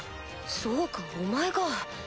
そうかお前が。